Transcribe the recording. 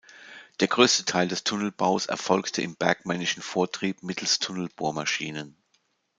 Der grösste Teil des Tunnelbaus erfolgte im bergmännischen Vortrieb mittels Tunnelbohrmaschinen.